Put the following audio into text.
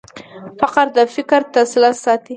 فقره د فکر تسلسل ساتي.